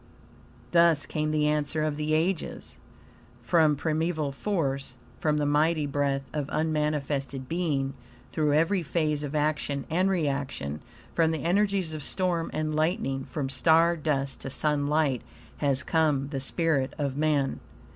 Thus came the answer of the ages: "From primeval force, from the mighty breath of unmanifested being, through every phase of action and reaction, from the energies of storm and lightning, from star dust to sunlight, has come the spirit of man!"